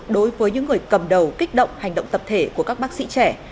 đối với những người cầm đầu kích động hành động tập thể của các bác sĩ trẻ